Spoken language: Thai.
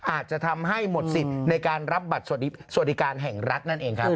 อาจจะทำให้หมดสิทธิ์ในการรับบัตรสวัสดิการแห่งรัฐนั่นเองครับ